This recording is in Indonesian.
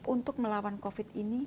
untuk melawan covid sembilan belas ini